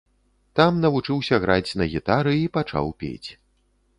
Там навучыўся граць на гітары і пачаў пець.